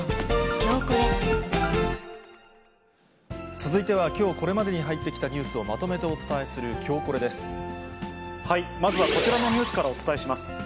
続いては、きょうこれまでに入ってきたニュースをまとめてお伝えするきょうまずはこちらのニュースからお伝えします。